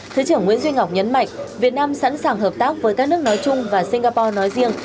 thứ trưởng nguyễn duy ngọc nhấn mạnh việt nam sẵn sàng hợp tác với các nước nói chung và singapore nói riêng